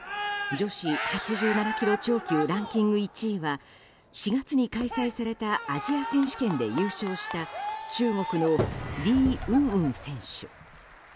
女子８７ｋｇ超級ランキング１位は４月に開催されたアジア選手権で優勝した中国のリー・ウンウン選手。